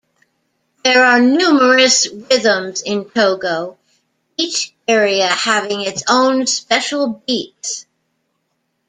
There are numerous rhythms in Togo, each area having its own special beats.